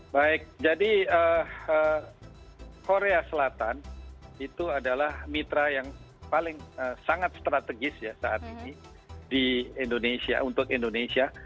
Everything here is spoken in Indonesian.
baik jadi korea selatan itu adalah mitra yang paling sangat strategis ya saat ini di indonesia untuk indonesia